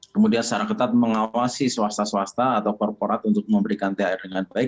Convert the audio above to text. kemudian secara ketat mengawasi swasta swasta atau korporat untuk memberikan thr dengan baik